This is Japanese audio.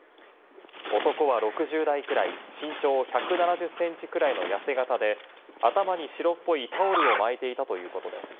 男は６０代くらい、身長１７０センチぐらいの痩せ形で、頭に白っぽいタオルを巻いていたということです。